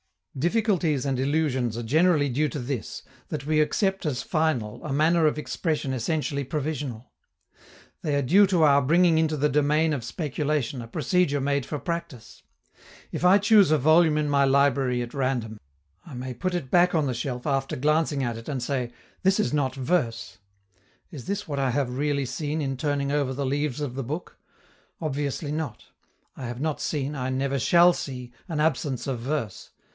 Difficulties and illusions are generally due to this, that we accept as final a manner of expression essentially provisional. They are due to our bringing into the domain of speculation a procedure made for practice. If I choose a volume in my library at random, I may put it back on the shelf after glancing at it and say, "This is not verse." Is this what I have really seen in turning over the leaves of the book? Obviously not. I have not seen, I never shall see, an absence of verse.